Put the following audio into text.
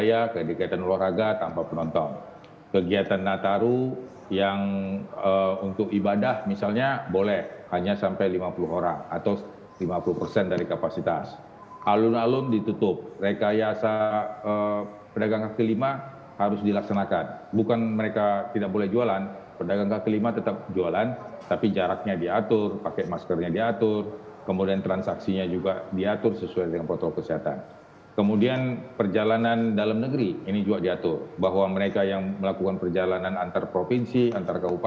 yaitu mereka yang diisolasi adalah mereka dengan pemeriksaan pcr positif